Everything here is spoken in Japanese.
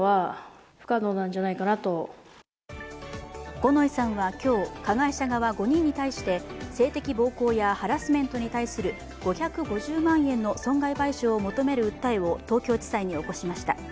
五ノ井さんは今日、加害者側５人に対して性的暴行やハラスメントに対する５５０万円の損害賠償を訴える損害賠償を東京地裁に起こしました。